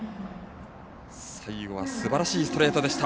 最後はすばらしいストレートでした。